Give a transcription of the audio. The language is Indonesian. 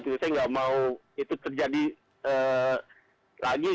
saya nggak mau itu terjadi lagi